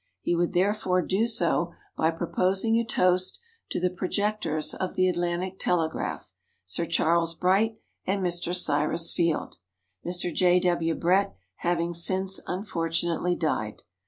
He would therefore do so by proposing a toast to the projectors of the Atlantic Telegraph Sir Charles Bright and Mr. Cyrus Field, Mr. J. W. Brett having since unfortunately died.